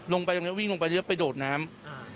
ลงไปตรงนี้วิ่งลงไปแล้วไปโดดน้ำ